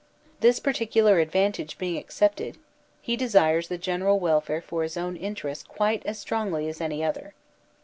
This particular advantage being excepted, he desires the general welfare for his own interests quite as strongly as any other.